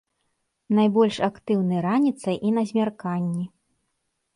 Найбольш актыўны раніцай і на змярканні.